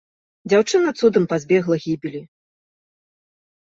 Дзяўчына цудам пазбегла гібелі.